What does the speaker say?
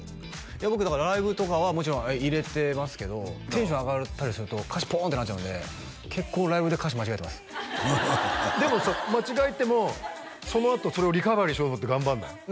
僕だからライブとかはもちろん入れてますけどテンション上がったりすると歌詞ポーンってなっちゃうんで結構ライブで歌詞間違えてますでもさ間違えてもそのあとそれをリカバリーしようと頑張らない？